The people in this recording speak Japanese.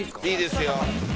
いいですよ。